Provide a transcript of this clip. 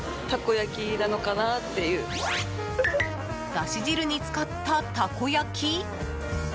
だし汁に浸かったたこ焼き？